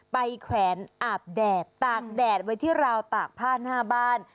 แขวนอาบแดดตากแดดไว้ที่ราวตากผ้าหน้าบ้าน